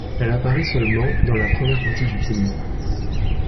Elle apparaît seulement dans la première partie du film.